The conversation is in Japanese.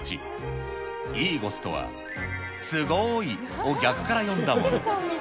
イーゴスとは、すごーいを逆から読んだもの。